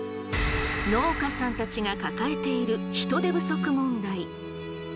農家さんたちが抱えている人手不足問題。